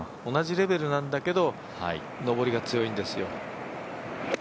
同じレベルなんだけど上りが強いんですよ。